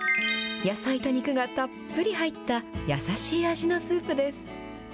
野菜と肉がたっぷり入った、優しい味のスープです。